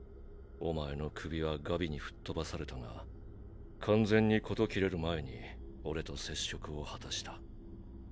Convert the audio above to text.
お前の首はガビに吹っ飛ばされたが完全にこと切れる前に俺と接触を果たした。